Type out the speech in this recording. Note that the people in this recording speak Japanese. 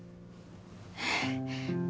えっ。